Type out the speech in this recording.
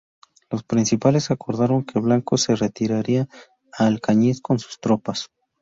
Los príncipes acordaron que Blasco se retiraría a Alcañiz con sus tropas.